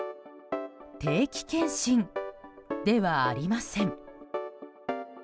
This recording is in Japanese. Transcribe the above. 定期健診ではありません。